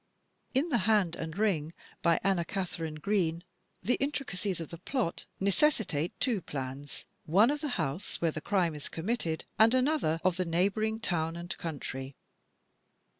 In "Hand and Ring," by Anna Katharine Green, the intri cacies of the plot necessitate two plans; one of the house where the crime is committed, and another of the neighboring town and country.